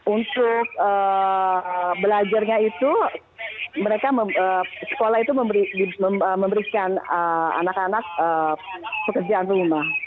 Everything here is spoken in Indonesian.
untuk belajarnya itu sekolah itu memberikan anak anak pekerjaan rumah